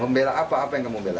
membela apa apa yang kamu bela